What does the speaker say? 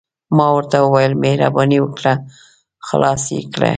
ما ورته وویل: مهرباني وکړه، خلاص يې کړئ.